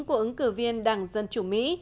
của ứng cử viên đảng dân chủ mỹ